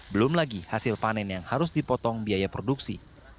belum lagi hasil panen yang harus dipotong biaya produksi